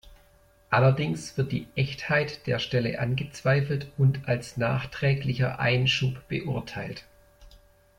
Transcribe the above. Allerdings wird die Echtheit der Stelle angezweifelt und als nachträglicher Einschub beurteilt.